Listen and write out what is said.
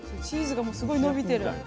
チーズがもうすごいのびてる。